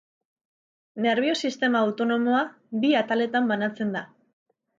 Nerbio-sistema autonomoa bi ataletan banatzen da.